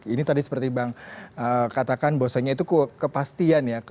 ini tadi seperti bang katakan bahwasanya itu kepastian ya